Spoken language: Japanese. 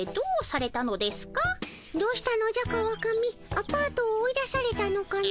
アパートを追い出されたのかの？